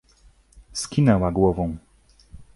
Skinęła głową.